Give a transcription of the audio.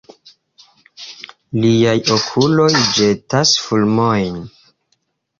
Liaj okuloj ĵetas fulmojn!